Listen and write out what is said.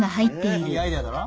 いいアイデアだろ？